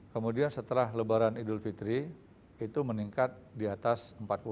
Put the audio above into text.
kemudian setelah lebaran idul fitri itu meningkat di atas empat puluh